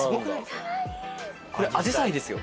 これあじさいですよ。